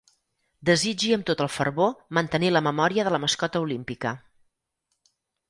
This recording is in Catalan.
Desitgi amb tot el fervor mantenir la memòria de la mascota olímpica.